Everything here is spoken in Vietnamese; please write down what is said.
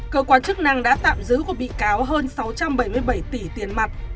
cơ quan chức năng đã tạm giữ của bị cáo hơn sáu trăm bảy mươi bảy tỷ tiền mặt